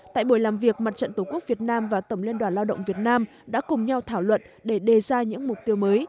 tại buổi làm việc mặt trận tổ quốc việt nam và tổng liên đoàn lao động việt nam đã cùng nhau thảo luận để đề ra những mục tiêu mới